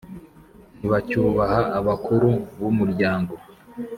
ntibacyubaha abakuru b’umuryango.